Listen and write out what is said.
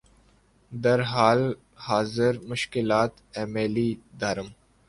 در حال حاضر مشکلات ایمیلی دارم